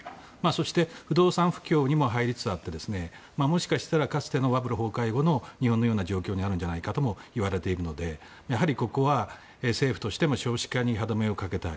そして不動産不況にも入りつつあってかつてのバブル崩壊後の日本のような状況になると言われているのでここは政府としても少子化に歯止めをかけたい